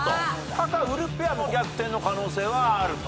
タカウルフペアも逆転の可能性はあると。